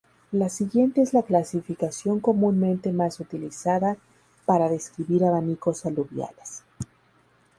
La siguiente es la clasificación comúnmente más utilizada para describir abanicos aluviales.